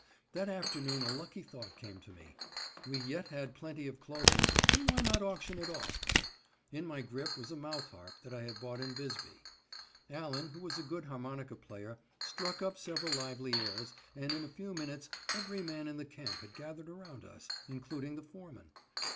That afternoon a lucky thought came to me. We yet had plenty of clothing, and why not auction it off? In my grip was a mouth harp that I had bought in Bisbee. Allen, who was a good harmonica player, struck up several lively airs, and in a few minutes every man in the camp had gathered around us, including the foreman.